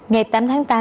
ngày tám tháng tám